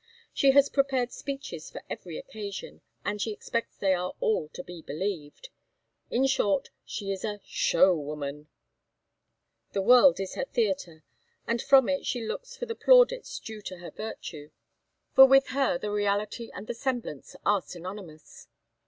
She has prepared speeches for every occasion, and she expects they are all to be believed in short, she is a show woman; the world is her theatre, and from it she looks for the plaudits due to her virtue; for with her the reality and the semblance are synonymous.